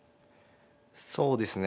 そうですね